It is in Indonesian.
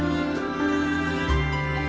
saya akan mencari kepuasan